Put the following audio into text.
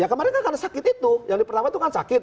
ya kemarin kan karena sakit itu yang pertama itu kan sakit